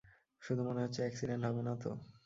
শুধু মনে হচ্ছে অ্যাকসিডেন্ট হবে না তো?